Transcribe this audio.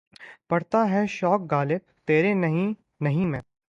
بڑھتا ہے شوق "غالب" تیرے نہیں نہیں میں.